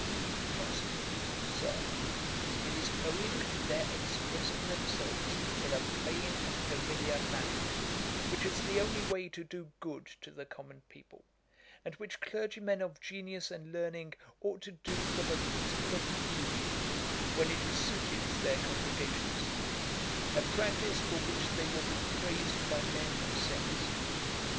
JOHNSON. 'Sir, it is owing to their expressing themselves in a plain and familiar manner, which is the only way to do good to the common people, and which clergymen of genius and learning ought to do from a principle of duty, when it is suited to their congregations; a practice, for which they will be praised by men of sense.